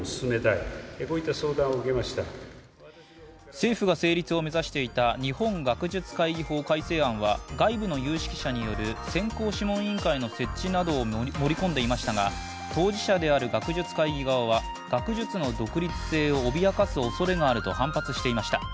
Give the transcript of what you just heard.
政府が成立を目指していた日本学術会議法改正案は外部の有識者による選考諮問委員会の設置などを盛り込んでいましたが当事者である学術会議側は学術の独立性を脅かすおそれがあると反発していました。